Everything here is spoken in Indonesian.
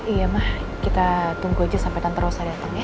iya mah kita tunggu aja sampai tante rossa datang ya